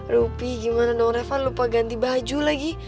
rupi gimana dong reva lupa ganti baju lagi